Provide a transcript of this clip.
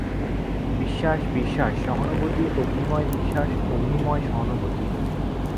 বিশ্বাস, বিশ্বাস, সহানুভূতি, অগ্নিময় বিশ্বাস, অগ্নিময় সহানুভূতি।